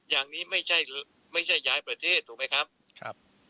อย่างนี้ไม่ใช่ไม่ใช่ย้ายประเทศถูกไหมครับ